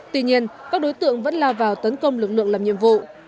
tuy nhiên các đối tượng vẫn lao vào tấn công lực lượng làm nhiệm vụ